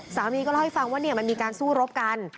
สามีก็เล่าให้ฟังว่ามันมีการสู้รบกัน